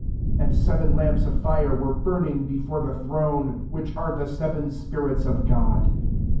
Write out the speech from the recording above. And seven lamps of fire were burn ing before the throne ; whicb are f the] seven spirits of God.